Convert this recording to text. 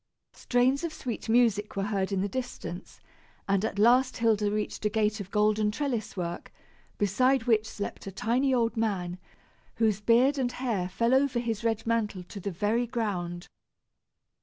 Strains of sweet music were heard in the distance, and at last Hilda reached a gate of golden trellis work, beside which slept a tiny old man, whose beard and hair fell over his red mantle to the very ground.